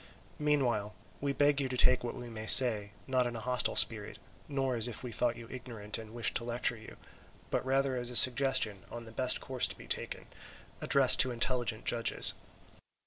Meanwhile we beg you to take what we may say, not in a hostile spirit, nor as if we thought you ignorant and wished to lecture you, but rather as a suggestion on the best course to be taken, addressed to intelligent judges.